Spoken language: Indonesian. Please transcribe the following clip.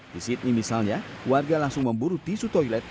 di sydney misalnya warga langsung memburu tisu toilet